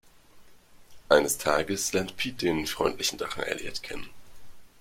Eines Tages lernt Pete den freundlichen Drachen Elliot kennen.